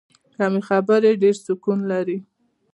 کمې خبرې، ډېر سکون لري.